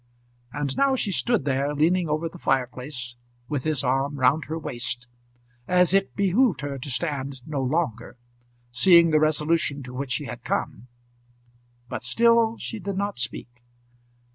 And now she stood there leaning over the fireplace, with his arm round her waist, as it behoved her to stand no longer, seeing the resolution to which she had come. But still she did not speak.